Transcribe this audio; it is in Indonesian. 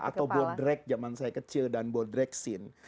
atau bodrek zaman saya kecil dan bodreksin